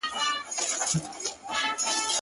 ته چي قدمونو كي چابكه سې”